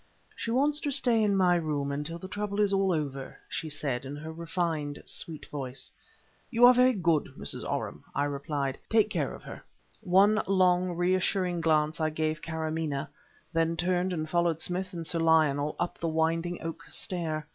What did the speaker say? "She wants to stay in my room until the trouble is all over," she said in her refined, sweet voice. "You are very good, Mrs. Oram," I replied. "Take care of her." One long, reassuring glance I gave Kâramaneh, then turned and followed Smith and Sir Lionel up the winding oak stair.